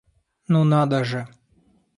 Ну надо же!